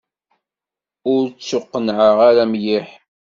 Ur ttuqennɛeɣ ara mliḥ.